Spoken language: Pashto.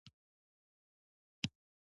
لکه د ټټر له هډوکي سره د پښتۍ د نښلېدلو ځای.